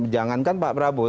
jangankan pak prabowo